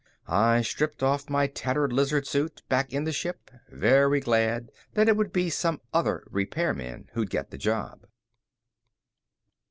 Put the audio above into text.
I stripped off my tattered lizard suit back in the ship, very glad that it would be some other repairman who'd get the job.